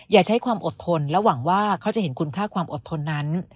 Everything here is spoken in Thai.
อย่าใช้ความอดทนและหวังว่าเขาจะเห็นคุณค่าความอดทนนั้น